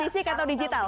fisik atau digital